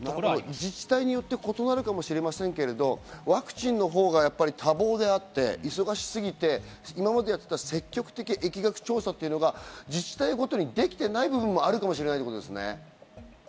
自治体によって異なるかもしれませんけど、ワクチンのほうが忙しすぎて今までやっていた積極的疫学調査というのが自治体ごとにできていない部分もあるかもしれないってことですね。